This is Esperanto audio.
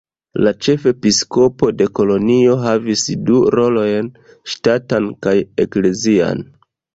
La ĉefepiskopo de Kolonjo havis du rolojn: ŝtatan kaj eklezian.